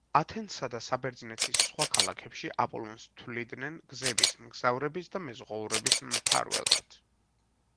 ათენსა და საბერძნეთის სხვა ქალაქებში აპოლონს თვლიდნენ გზების, მგზავრების და მეზღვაურების მფარველად.